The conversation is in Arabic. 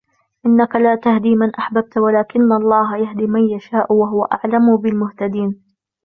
إِنَّكَ لَا تَهْدِي مَنْ أَحْبَبْتَ وَلَكِنَّ اللَّهَ يَهْدِي مَنْ يَشَاءُ وَهُوَ أَعْلَمُ بِالْمُهْتَدِينَ